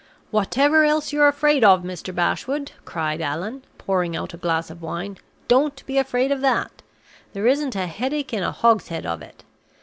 "Whatever else you're afraid of, Mr. Bashwood," cried Allan, pouring out a glass of wine, "don't be afraid of that! There isn't a headache in a hogshead of it!